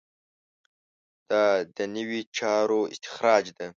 دا دنیوي چارو استخراج ده.